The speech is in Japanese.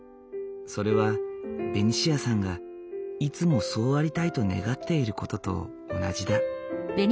それはベニシアさんがいつもそうありたいと願っている事と同じだ。